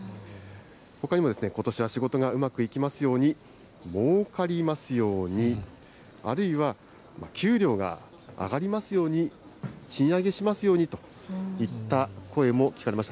ほかにもことしは仕事がうまくいきますように、もうかりますように、あるいは、給料が上がりますように、賃上げしますようにといった声も聞かれました。